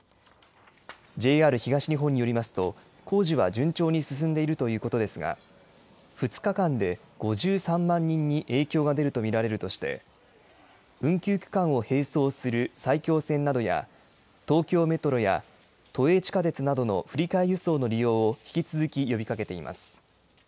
ＪＲ東日本によりますと、工事は順調に進んでいるということですが、２日間で５３万人に影響が出ると見られるとして、運休区間を並走する埼京線などや、東京メトロや都営地下鉄などの振り替え輸送の利用を引き続き呼びかけています。